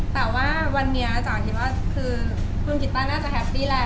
แต่ว่าวันนี้จ๋าคิดว่าคือคุณกิต้าน่าจะแฮปปี้แหละ